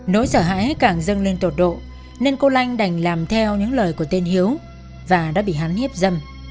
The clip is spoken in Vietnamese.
nỗi sợ hãi càng dâng lên tột độ nên cô lanh đành làm theo những lời của tên hiếu và đã bị hắn hiếp dâm